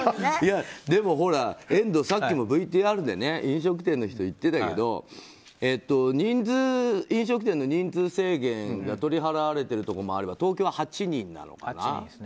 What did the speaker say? でも、遠藤さっきもＶＴＲで飲食店の人が言っていたけど飲食店の人数制限が取り払われているところもあれば東京は８人なのかな。